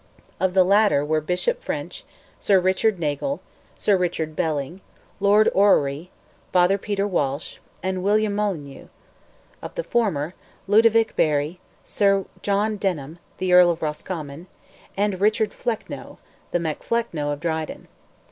Of the latter were Bishop French, Sir Richard Nagle, Sir Richard Belling, Lord Orrery, Father Peter Walsh, and William Molyneux; of the former, Ludowick Barry, Sir John Denham, the Earl of Roscommon, and Richard Flecknoe,—the Mac Flecknoe of Dryden.